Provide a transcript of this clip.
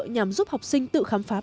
nhằm giúp học sinh tự khám phá bản thân